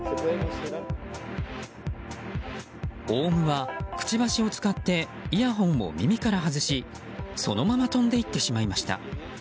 オウムはくちばしを使ってイヤホンを耳から外しそのまま飛んで行ってしまいました。